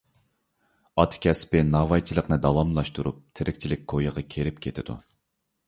ئاتا كەسپى ناۋايچىلىقنى داۋاملاشتۇرۇپ، تىرىكچىلىك كويىغا كېرىپ كېتىدۇ.